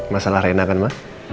masalah rena kan ma